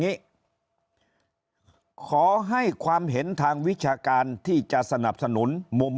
นี้ขอให้ความเห็นทางวิชาการที่จะสนับสนุนมุม